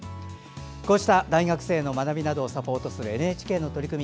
こうした大学生の学びなどをサポートする取り組み